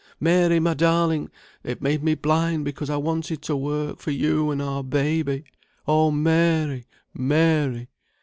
Mary, my darling, they've made me blind because I wanted to work for you and our own baby; oh, Mary, Mary!'